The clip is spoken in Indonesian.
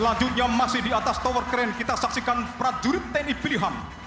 selanjutnya masih di atas tower keren kita saksikan prajurit tni pilihan